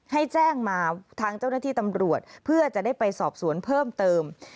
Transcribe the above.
ให้แจ้งมาทางเจ้าหน้าที่ตำรวจเพื่อจะได้ไปสอบสวนเพิ่มเติม